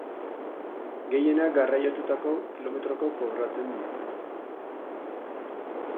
Gehienak garraiatutako kilometroko kobratzen du.